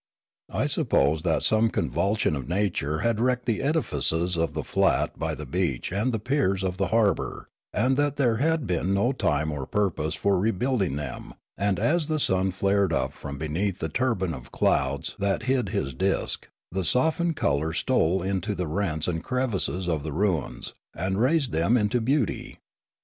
I supposed that some convul sion of nature had wrecked the edifices of the flat by the beach and the piers of the harbour, and that there had been no time or purpose for rebuilding them, and as the sun flared up from beneath the turban of clouds that hid his disk, the softened colours stole into the rents and crevices of the ruins and raised them into beauty.